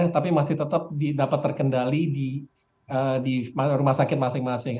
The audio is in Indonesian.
tapi masih tetap dapat terkendali di rumah sakit masing masing